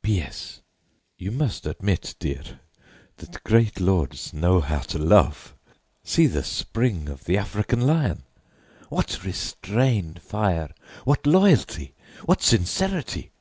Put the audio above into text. P. S. You must admit, dear, that great lords know how to love! See the spring of the African lion! What restrained fire! What loyalty! What sincerity!